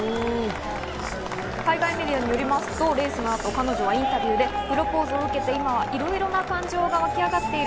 海外メディアによりますとレースの後、彼女はインタビューでプロポーズを受けて今はいろいろな感情が湧き上がっている。